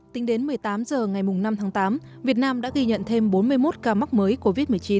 tính đến một mươi tám h ngày năm tháng tám việt nam đã ghi nhận thêm bốn mươi một ca mắc mới covid một mươi chín